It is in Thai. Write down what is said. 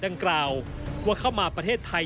ดังกล่าวว่าเข้ามาประเทศไทย